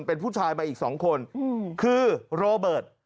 เป็นผู้ชายมาอีก๒คนคือโรเบิร์ต